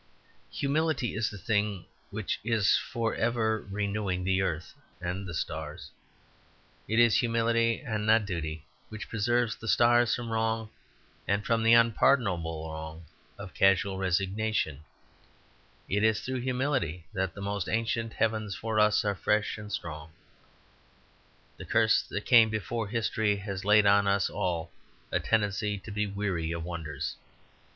Humility is the thing which is for ever renewing the earth and the stars. It is humility, and not duty, which preserves the stars from wrong, from the unpardonable wrong of casual resignation; it is through humility that the most ancient heavens for us are fresh and strong. The curse that came before history has laid on us all a tendency to be weary of wonders.